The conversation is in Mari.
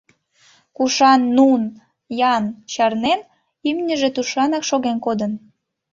Кушан Нунн-Яан чарнен, имньыже тушанак шоген кодын.